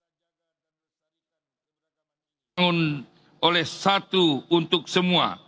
yang dianggung oleh satu untuk semua